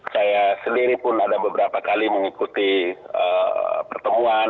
saya sendiri pun ada beberapa kali mengikuti pertemuan